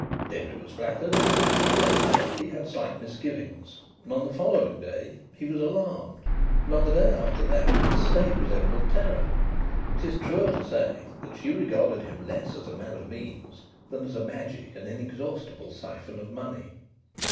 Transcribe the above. Denry was flattered, but the next day he had slight misgivings, and on the following day he was alarmed; and on the day after that his state resembled terror. It is truer to say that she regarded him less as a man of means than as a magic and inexhaustible siphon of money.